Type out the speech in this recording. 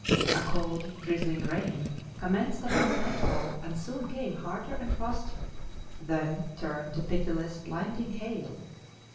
A cold, drizzling rain commenced about nightfall and soon came harder and faster, then turned to pitiless, blinding hail.